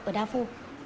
ở đa phu